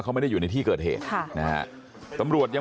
แต่นี่เอางานก่อน